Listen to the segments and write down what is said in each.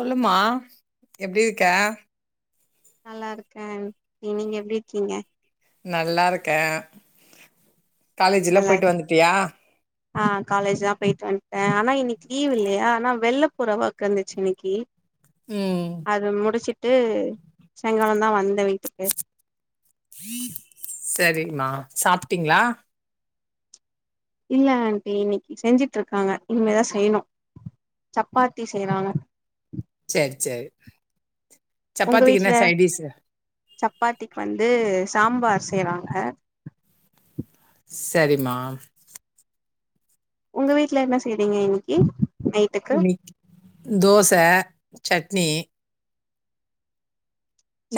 சொல்லுமா எப்டி இருக்க நல்லாருக்கேன் நீங் நீங்க எப்டி இருக்கீங்க நல்லாருக்கே காலேஜ்லா நல்லா போய்ட்டு இருக் வந்துட்டியா ஆ காலேஜ் லா போயிட்டு வந்ட்டே ஆனா இன்னைக்கு லீவ் இல்லையா ஆனா வெள்ல போற வொர்க் இருந்துச்சு இன்னைக்கு ம் அது முடிச்சுட்டு சாய்ங்காலந்தா வந்தே வீட்டுக்கு செரிமா சாப்ட்டீங்ளா இல்ல ஆண்ட்டி இன்னைக்கு செஞ்சிட்டு இருக்காங்க இனிமேதா செய்யணு சப்பாத்தி செய்றாங்க சேர் சேர் ஒங்க வீட்ல சப்பாத்திக்கு வந்து சாம்பார் செய்வாங்க சரிம்மா உங்க வீட்ல என்ன செய்றீங்க இன்னைக்கு நைட்டுக்கு இன்னிக்கி தோச சட்னி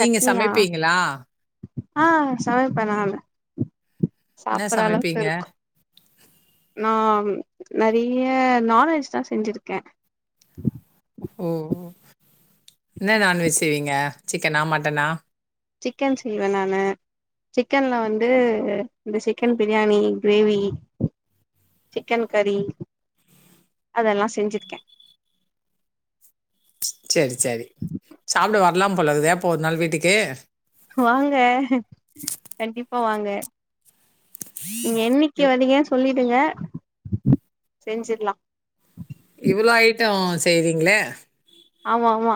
நீங்க சமைப்பீங்களா ஆ சமைப்ப நானு என்ன சாப்பற அளவுக்கு சமைப்பீங்க இருக்கு நாம் நெறைய நான்வெஜ்தா செஞ்சுருக்கே ஓ என்ன நான்வெஜ் செய்வீங்க சிக்கனா மட்டனா ஜிக்கன் செய்வ நானு ஜிக்கன்ல வந்து இந்த ஜிக்கன் பிரியாணி கிரேவி ஜிக்கன் கறி அதெல்லா செஞ்சிருக்க ச்செரி ச்செரி சாப்ட வர்லாம் போலகுது அப்போ ஒரு நாள் வீட்டுக்கு வாங்க கண்டிப்பா வாங்க நீங்க என்னிக்கு இவ் வரீங்கன்னு சொல்லிடுங்க செஞ்சிர்லாம் இவ்ளோ ஐட்டம் செய்றீங்ளே ஆமா ஆமா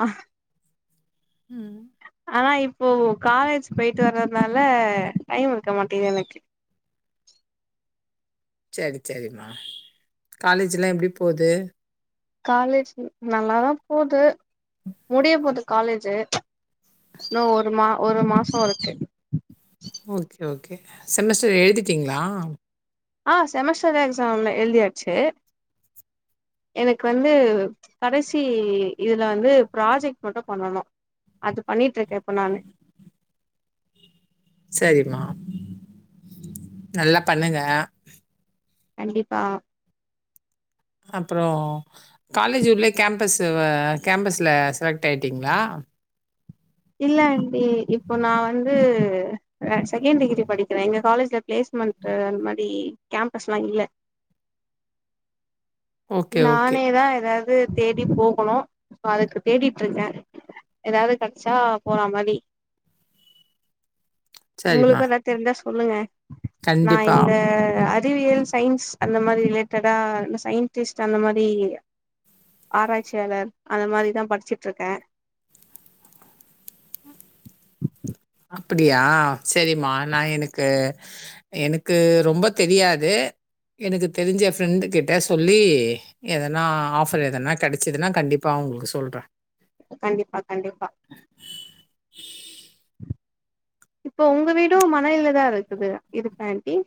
ம் ஆனா இப்போ காலேஜ்க்கு போயிட்டு வரதுனால டைம் இருக்க மாட்டேங்குது எனக்கு ச்சேரி ச்சேரிம்மா காலேஜ்ல்லா எப்டி போது காலேஜ் நல்லாதா போது முடிய போது காலேஜீ இனும் ஒரு மா ஒரு மாசம் இருக்கு ஓகே ஓகே செமஸ்டர் எழுதிட்டிங்களா ஆ செமஸ்டர் எக்ஸாம் லா எழுதியாச்சு எனக்கு வந்து கடைசி இதுல வந்து ப்ராஜெக்ட் மட்டும் பண்ணணும் அது பண்ணிட்டு இருக்க இப்ப நானு சரிமா நல்லா பண்ணுங்க கண்டிப்பா அப்புறம் காலேஜ் உள்ளே கேம்பஸ்சவ கேம்பஸ்ல செலக்ட் ஆயிட்டிங்களா இல்ல ஆண்ட்டி இப்ப நா வந்து நா செகண்ட் டிகிரி படிக்கிற எங்க காலேஜ்ல பிளேஸ்மண்ட்டு அந்த மாரி கேம்பஸ்லாம் இல்ல ஓகே, ஓகே. நானேதா ஏதாவ்து தேடி போகணு இப்ப அதுக்கு தேடிட்டு இருக்க ஏதாது கெச்சா போற மாரி சரிம்மா. உங்களுக்கு எதா தெரிஞ்சா சொல்லுங்க நா கண்டிப்பா. இந்த அத் திவியல் சயின்ஸ் அந்த மாரி ரிலேட்டடா இந்த சயின் டிஸ்ட் அந்த மாரி ஆராய்ச்சியாளர் அந்த மாரி தா படிச்சிட்டுருக்கேன் அப்படியா செரிமா நா எனக்கு எனக்கு ரொம்ப தெரியாது எனக்கு தெரிஞ்ச ஃப்ரெண்டு கிட்ட சொல்லி எதனா ஆஃபர் எதனா கடைச்சிதுன்னா கண்டிப்பா ஒங்களுக்கு சொல்ற கண்டிப்பா கண்டிப்பா இப்போ உங்க வீடும் மணயிலதா இருக்குது இருக்கா ஆண்ட்டி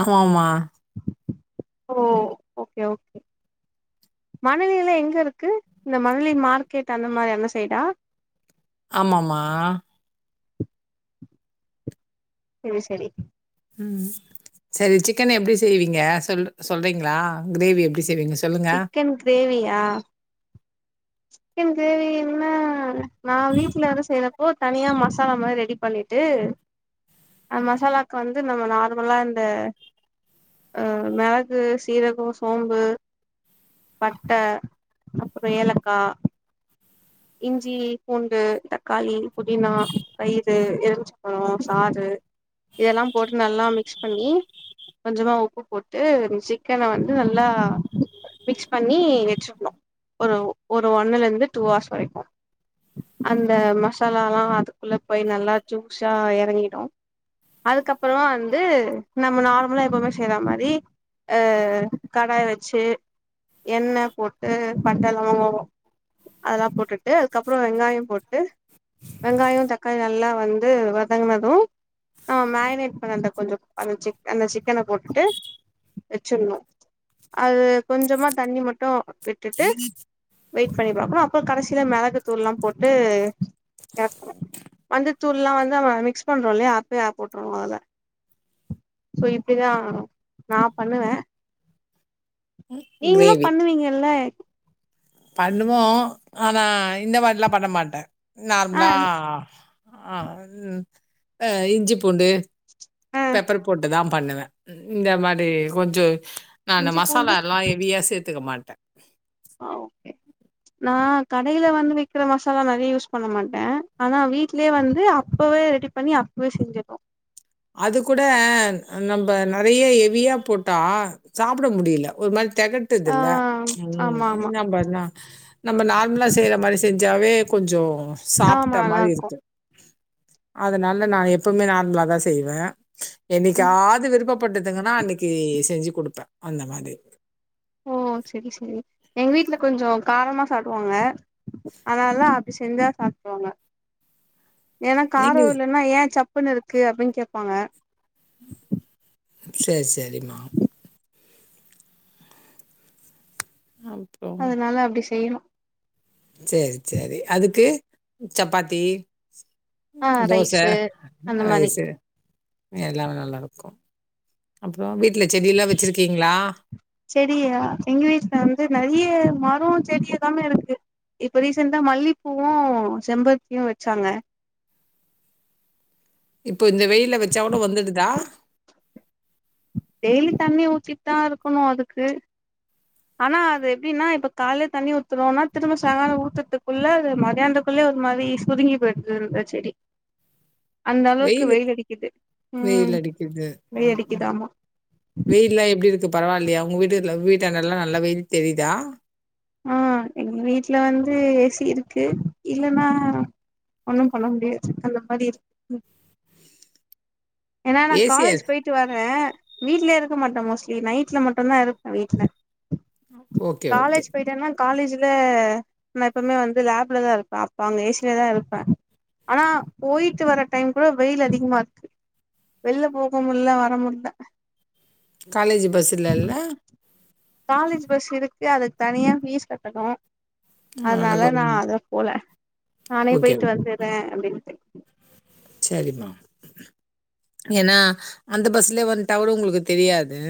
ஆமாமா ஓ ஓகே ஓகே மணலில எங்க இருக்கு இந்த மணலி மார்க்கெட் அந்த மாரி அந்த சைடா ஆமாம்மா ம் செரி ம் செரி ஜிக்கனு எப்டி செய்வீங்க சொல் சொல்றீங்களா கிரேவி எப்டி செய்வீங்க சொ ஜிக்கன் கிரேவியா ஜிக்கன் கிரேவின்ன நா வீட்லதா செய்வ ஓ தனியா மசாலா மாரி ரெடி பண்ணிட்டு அந் மசாலாவுக்கு வந்து நம்ம நார்மலா இந்த அ மெளகு சீரகோ சோம்பு பட்ட அப்புறம் ஏலக்கா இஞ்சி பூண்டு தக்காளி புதினா தயிறு எழுமிச்ச பழம் சாறு இதல்லா போட்டு நல்லா மிக்ஸ் பண்ணி கொஞ்சமா உப்பு போட்டு சிக்கன வந்து நல்லா மிக்ஸ் பண்ணீ வச்சுக்ணு ஒரு ஒரு ஒன்னுல இருந்து டூ ஆர்ஸ் வரைக்கு அந்த மசாலாலா அதுக்குள்ள போய் நல்லா ஜூஸ்ஸா எறங்கீடூ அதுக்கப்பறமா வந்து நம்ம நார்மலா எப்பவுமே செய்ற மாரி அ கடாய் வச்சு எண்ண போட்டு பட்டல்லா அதல்லா போட்டுட்டு அதுக்கப்பறோ வெங்காயொ போட்டு வெங்காயோ தக்காளி நல்லா வந்து வதங்குனது ஆ மேரினேட் பண்ண அந்த கொஞ்சோ அந்த சிக் அந்த சிக்கன போட்டு வச்சற்ணு அது கொஞ்சமா தண்ணி மட்டு விட்டுட்டு வெயிட் பண்ணி பாக்கணு அப்பறோ கடசீல மிளகு தூள்லா போட்டு யாக்குங்க மஞ்சத்தூள்லா வந்து ம மிக்ஸ் பண்றோ இல்லையா அப்பயே ஆ போட்றனு அதுல சோ இப்டிதா நா பண்ணுவே நீங்களு பண்ணுவிங்கல்ல பண்ணுவோ ஆனா இந்த மாரிலா பண்ண மாட்டே ஆ நார்ம்லா ஆ கு ஆ இஞ்சி பூண்டு ஆ பெப்பர் போட்டுதா பண்ணுவே இந்த மாரி கொஞ்சொ நா இந்த இஞ்சி மசாலா பூண்டு எல்லா ஹெ வியா சேத்துக்க மாட்டே ஆ ஓகே நா கடேல வந்து விக்கிற மசாலா நெறைய யூஸ் பண்ண மாட்டே ஆனா வீட்லயே வந்து அப்பவே ரெடி பண்ணி அப்பவே செஞ்சுற்வோ அது கூட நம்ப நெறய ஹெவியா போட்டா சாப்ட முடில ஒரு மாரி ஆ தெகட்டுதுல்ல ம் ஆமா ஆமா என்னா பண்ணா நம்ம நார்மலா செய்ற மாரி செஞ்சாவே கொஞ்சோ ஆமா சாப்ட்ட மாரி நல்லாருக்கு இருக்கு அதுனால நா எப்பவுமே நார்மலாதா செய்வே என்னைக்காது விருப்பப் பட்டுதுகனா அன்னக்கி செஞ்சு குடுப்பே அந்த மாரி ஓ செரி செரி எங்க வீட்ல கொஞ்சோ காரமா சாட்டுவாங்க அதுனாலா அப்டி செஞ்சா சாப்டுக்குவாங்க ஏனா நீங்க காரோ இல்லேனா ஏ சப்புன்னு இருக்கு அப்டின் கேப்பாங்க சேர் சேரிம்மா அப் அதுனால அப்டி செய்யணு சேர் சேரி அதுக்கு சப்பாத்தி ஆ தோச ரைஸு அந்த ஆ மாரி எஸ்ஸு எல்லா நல்லாருக்கு அப்பறோ வீட்ல செடியெல்லா வச்சுருக்கீங்களா செடியா எங்க வீட்ல வந்து நெறைய மரோ செடி எல்லாமே இருக்கு இப்ப ரீசண்டா மல்லிப்பூவு செம்பருத்தியு வச்சாங்க இப்ப இந்த வெயில்ல வச்சா கூட வந்துடுதா டெய்லி தண்ணி ஊத்திட்தா இருக்கணு அதுக்கு ஆனா அது எப்டின்னா இப்ப காலேலயே தண்ணி ஊத்துரோனா திரும்ப சாய்ங்காலோ ஊத்தர்த்துக்குள்ள அது மதியானது குள்ள ஒரு மாரி சுருங்கி போய்ட்டுது ரோஜா செடி அந்த அளவுக்கு வெயிலு வெயில் அடிக்கிது ம் வெயில் வெயில் அடிக்கிது ஆமா வெயில்லா எப்டி இருக்கு பரவால்லையா ஒங்க வீட்டுல வீட்டான்டல்லா நல்ல வெயில் தெரிதா ஆ எங்க வீட்ல வந்து ஏ சி இருக்கு இல்லனா ஒன்னு பண்ண முடியாது அந்த மாரி இருக் ஏனா நா ஏசியா? காலேஜ் போயிட் ட்டு வரே வீட்லே இருக்க மாட்டே மோஸ்ட்லி நைட்ல மட்டுந்தா இருப்பே வீட்ல. Okay, okay. காலேஜ் போயிட்டன்னா காலேஜுல நா எப்புமே வந்து லேப்லதா இருப்பே அப்ப அங்க ஏ சி லதா இருப்பே. ஆனா போயிட்டு வர டைம் கூட வெயில் அதிகமா இர்க்கு. வெள்ல போக முல்ல வர முல்ல. காலேஜ் பஸ்சு இல்லல்ல. காலேஜ் பஸ் இருக்கு அதுக் தனியா ஃபீஸ் கட்டணு. அதனால அழகா நா ம். அதல போல நானே ஓகே. போய்ட்டு வந்துறே அப்டின்ட்டு. செரிமா. ஏனா அந்த பஸ்லியே வந்ட்டாகூட உங்களுக்கு தெரியாது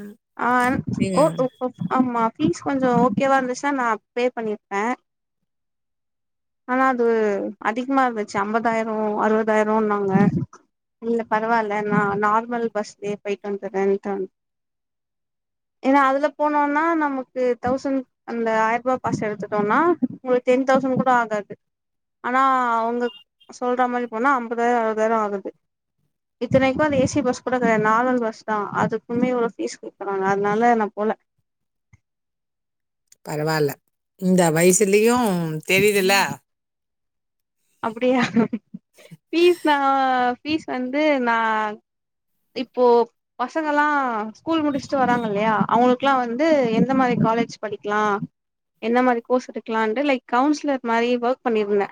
ம். ஆ என் ஒ ஒ ஒ ஆமா ஃபீஸ் கொஞ்சோ ஓகேவா இருந்துச்னா நா பே பண்ணிர்ப்பே. ஆனா அது அதிகமா இருந்துச்சு அம்பதாயிரோ அறுவதாயிரோன்னாங்க. இல்ல பரவால்ல நா நார்மல் பஸ்லியே போயிட்டு வந்துர்றன்ட்டு வந் ஏனா அதுல போனோனா நமக்கு தௌசண் அந்த ஆயர்பா பாஸ் எடுத்துட்டோன்னா உங்குளு டென்தெளசண் கூட ஆ காது ஆனா அவுங்கக் சொல்ற மாரி போனா அம்பதாயிரோ அறுபதாயிரோ ஆகுது. இத்தனைக்கு அது ஏ சி பஸ் கூட கெடையா நார்மல் பஸ்தா. அதுக்குமே இவ்ளோ ஃபீஸ் கேக்கறாங்க அதுனால நா போல. பரவால்ல இந்த வய்சுலியும் தெரிதில்ல. அப்பிடியா ஃபீஸ் நா ஃபீஸ் வந்து நா இப்போ பசங்கல்லா ஸ்கூல் முடிச்ட்டு வராங்க இல்லையா அவுங்குளுக்லா வந்து எந்த மாரி காலேஜ் படிக்லா? என்ன மாரி கோர்ஸ் எடுக்கலான்ட்டு லைக் கவுன்சிலர் மாரி ஒர்க் பண்ணிருந்தே.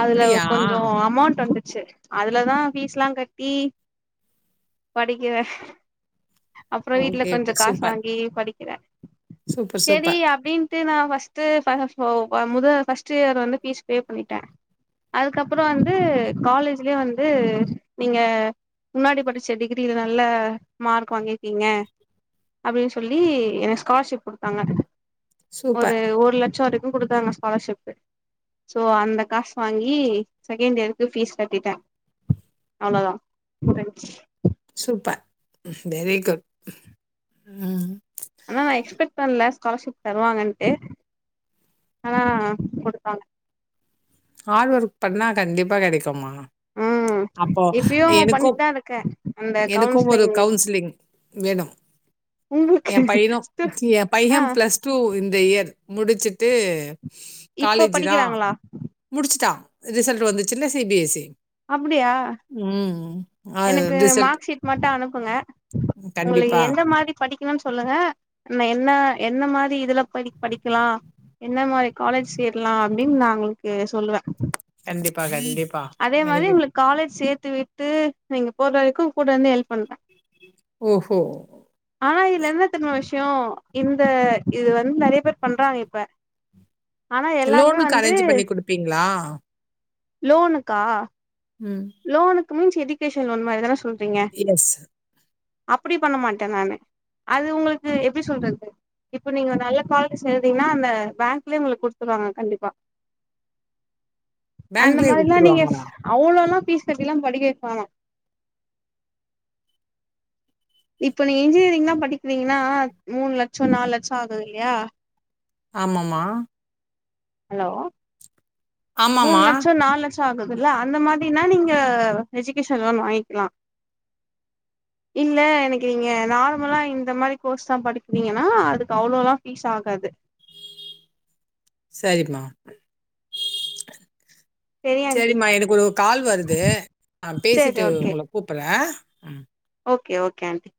அதுலவ் கொஞ்சோ அமௌண்ட் வந்துச்சு அதுலதா ஃபீஸ்லா கட்டி படிக்கிறே. அப்புற வீட்ல ஓகே, கொஞ்ச ஓகே. காசு சூப்பர். வாங்கி படிக்கிறே சூப்பர், செரி சூப்பர். அப்டின் ட்டு நா ஃபஸ்ட்டு ஃப ஃபொ அ முத ஃபஸ்ட்டு இயர் வந்து ஃபீஸ் பே பண்ணிட்டே. அதுக்கப்புறோ வந்து காலேஜ்லியே வந்து நீங்க முன்னாடி படிச்ச டிகிரில நல்ல மார்க் வாங்கிர்க்கீங்க. அப்டின் சொல்லி எனக் ஸ்காலர்ஷிப் குடுத்தாங்க. ஒரு சூப்பர், ஒரு லச்சோ வரைக்கு குடுத்தாங்க ஸ்காலர்ஷிப்பு. சோ அந்த காசு வாங்கி செகண்டு இயருக்கு ஃபீஸ் கட்டிட்டே. அவ்ளதா முடிஞ்ச்சி. சூப்ப ம் வெரி குட் ம். ஆனா நா எக்ஸ்பெக்ட் பண்ல ஸ்காலர்ஷிப் தருவாங்கன்ட்டு ஆனா குடுத்தாங்க. ஹாடு ஒர்க் பண்ணா கண்டிப்பா கெடைக்கும்மா. ம். அப்போ இப்பயு எனுக்குப் பண்ணிட்தா இருக்கே அந்த எனக்கு ஒரு கவுன்சிலிங் கவுன்சிலிங் வேணும். ஏ உங்களுக்கு பையனு ஏ பைய ஆ பிளஸ் டூ இந்த இயர் முடிச்சிட்டு இப்ப படிக்கறாங்களா? முடிச்சுட்டா ரிசல்ட்டு வந்துச்சுல்ல சி பி எஸ் இ அப்டியா? ம் ம். எனக்கு மாக்ஷீட் மட்டு அனுப்புங்க உங்குளுக்கு கண்டிப்பா, எந்த மாரி படிக்கணுன் சொல்லுங்க ந என்ன என்ன மாரி இதுல படி படிக்கலா என்ன மாரி காலேஜ் சேரலா அப்டின் நா உங்களுக்கு சொல்லுவே கண்டிப்பா கண்டிப்பா அதே மாரி எனக்கு உங்களுக்கு காலேஜ் சேத்து விட்டு நீங்க போற வரைக்கு கூட இருந்து ஹெல்ப் பண்ணுவே ஓஹோ ஆனா இதுல என்ன தெர்மா விஷ்யோ இந்த இது வந்த் நெறைய பேர் பண்றாங்க இப்ப ஆனா எல்லாமே லோனுக்கு வந்து அரேஞ்ச் பண்ணி குடுப்பீங்களா? லோனுக்கா உம் லோனுக்கு மீன்ஸ் எஜுகேஷன் லோன் மாதிரிதான சொல்றீங்க எஸ். அப்பிடி பண்ண மாட்டே நானு அது உங்களுக்கு எப்பிடி சொல்றது இப்ப நீங்க நல்ல காலேஜ் சேந்தீங்னா அந்த பேங்க்லயே உங்களுக் குடுத்துருவாங்க கண்டிப்பா அந்த பேங்க்லயே மாரில்லா நீங்க குடுத்துருவாங்களா? ஸ் அவ்ளோல்லா ஃபீஸ் கட்டில்லா படிக்க வைக்க வேணா இப்ப நீங்க இன்ஜினியரிங்லா படிக்கிறீங்கனா மூணு லட்சோ நாலு லட்சோ ஆகுதில்லியா ஆம்மாம்மா ஹலோ மூணு ஆமாமா. லட்சோ நாலு லட்சோ ஆகுதுல்ல அந்த மாதிரினா நீங்க எஜுகேஷன் லோன் வாங்கிக்லா இல்ல எனக்கு நீீங்க நார்மலா இந்த மாரி கோர்ஸ் தா படிக்கறீங்கனா அதுக்கு அவ்ளோல்லா ஃபீஸ் ஆகாது சேரிம்மா செரி ஆண்டி சேரிம்மா எனக்கு ஒரு கால் வருது நா செரி பேசிட்டு ஓகே உங்களக் கூப்பட்றே ஓகே ஓகே ஆன்ட்டி